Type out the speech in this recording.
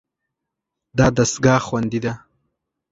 دا دستګاه خوندي ده.